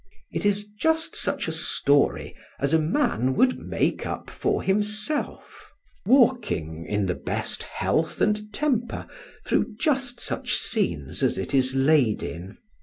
It is just such a story as a man would make up for himself, walking, in the best health and temper, through just such scenes as it is laid in.